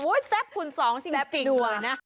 อุ้ยแซ่บคุณสองจริงเลยนะ